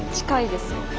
近いですよ。